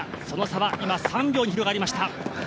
その差は今、３秒に広がりました。